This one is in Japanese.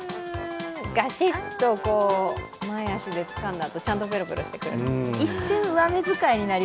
ガシッと前足でつかんだあと、ちゃんとぺろぺろしてくれる。